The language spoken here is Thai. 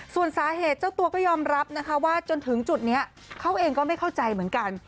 ส่วนสาเหตุเจ้าตัวก็ยอมรับนะคะว่าจนถึงจุดนี้เขาเองก็ไม่เข้าใจเหมือนกัน